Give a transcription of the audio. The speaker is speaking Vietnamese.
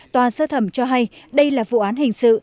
tòa sơ thẩm cho hay đây là vụ án hình sự